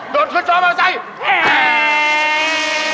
ลดขึ้นทะวันไซค์